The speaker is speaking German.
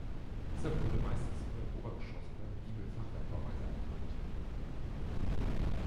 Deshalb wurde meistens nur im Obergeschoss oder im Giebel Fachwerkbauweise angewandt.